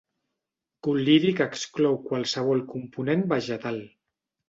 Col·liri que exclou qualsevol component vegetal.